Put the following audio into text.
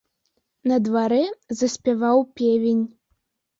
На дварэ заспяваў певень.